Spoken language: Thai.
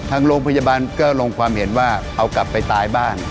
ทางโรงพยาบาลก็ลงความเห็นว่าเอากลับไปตายบ้าน